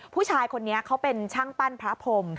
ผู้ชายคนนี้เขาเป็นช่างปั้นพระพรม